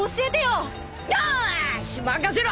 よし任せろ！